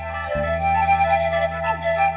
เปล่าไม่เป็นแทบ